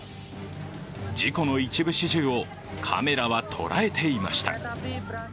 事故の一部始終をカメラは捉えていました。